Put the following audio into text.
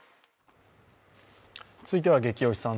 続いてはゲキ推しさん。